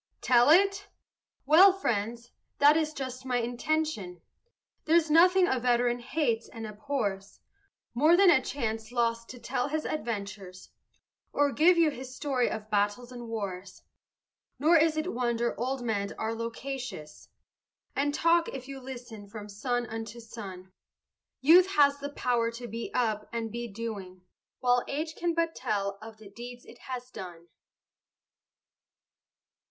Tell it? Well, friends, that is just my intention; There's nothing a veteran hates and abhors More than a chance lost to tell his adventures, Or give you his story of battles and wars. Nor is it wonder old men are loquacious, And talk, if you listen, from sun unto sun; Youth has the power to be up and be doing, While age can but tell of the deeds it has done.